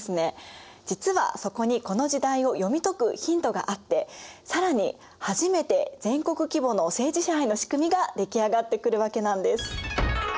実はそこにこの時代を読み解くヒントがあって更に初めて全国規模の政治支配の仕組みが出来上がってくるわけなんです。